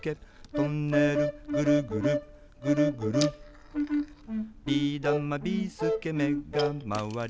「トンネルぐるぐるぐるぐる」「ビーだま・ビーすけめがまわり」